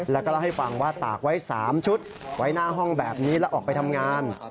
แล้วก็เล่าให้ฟังว่าตากไว้๓ชุดไว้หน้าห้องแบบนี้แล้วออกไปทำงาน